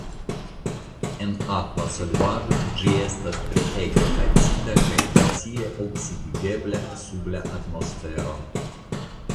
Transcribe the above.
En akva solvaĵo ĝi estas treege acida kaj facile oksidigebla sub la atmosfero.